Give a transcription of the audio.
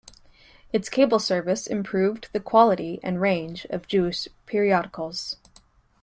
Its cable service improved the quality and range of Jewish periodicals.